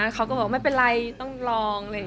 เขาก็บอกไม่เป็นไรต้องลอง